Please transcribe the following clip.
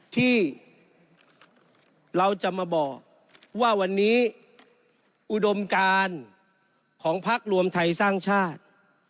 ที่เราจะมาบอกว่าวันนี้อุดมการของพักรวมไทยสร้างชาติ